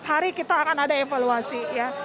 hari kita akan ada evaluasi ya